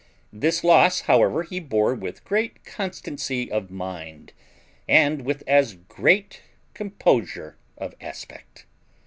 This loss however he bore with great constancy of mind, and with as great composure of aspect.